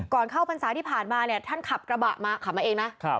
เข้าพรรษาที่ผ่านมาเนี่ยท่านขับกระบะมาขับมาเองนะ